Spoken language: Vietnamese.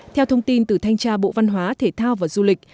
theo thông tin từ thanh tra bộ văn hóa thể thao và du lịch